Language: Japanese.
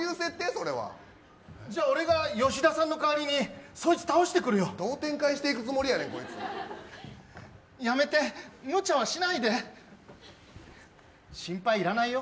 それはじゃあ俺が吉田さんの代わりにそいつ倒してくるよどう展開していくつもりやねんこいつやめてムチャはしないで心配いらないよ